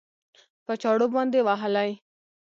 په چاړو باندې وهلى؟